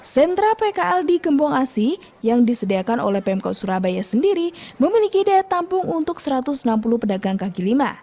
sentra pkl di gembong asi yang disediakan oleh pemkot surabaya sendiri memiliki daya tampung untuk satu ratus enam puluh pedagang kaki lima